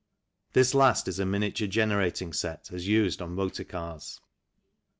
(This last is a miniature generating set as used on motor cars.)